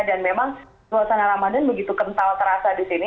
dan memang suasana ramadan begitu kental terasa di sini